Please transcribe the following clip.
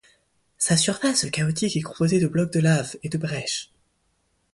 Sa surface chaotique est composée de blocs de lave et de brèches.